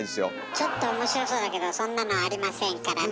ちょっと面白そうだけどそんなのありませんからね。